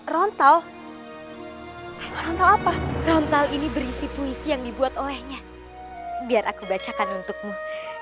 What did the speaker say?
rontal rontol apa rontal ini berisi puisi yang dibuat olehnya biar aku bacakan untukmu